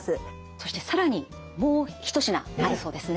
そして更にもう一品あるそうですね。